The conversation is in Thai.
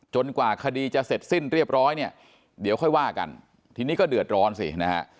กว่าคดีจะเสร็จสิ้นเรียบร้อยเนี่ยเดี๋ยวค่อยว่ากันทีนี้ก็เดือดร้อนสินะฮะ